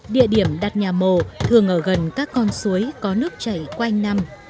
địa điểm đặt nhà mồ thường ở gần các con suối có nước chảy quanh năm